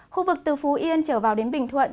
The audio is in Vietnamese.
khu vực từ phú yên trở vào đến bình thuận